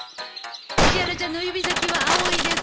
石原ちゃんの指先は青いです。